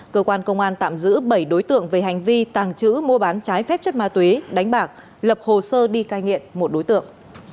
cơ quan công an tạm giữ bảy đối tượng về hành vi tàng trữ mua bán trái phép chất ma túy đánh bạc lập hồ sơ đi cai nghiện một đối tượng